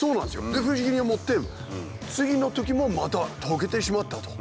で不思議に思って次のときもまた溶けてしまったと。